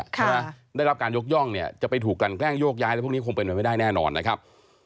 ได้รับการยกย่องเนี่ยจะไปถูกกันแกล้งโยกย้ายอะไรพวกนี้คงเป็นไปไม่ได้แน่นอนนะครับ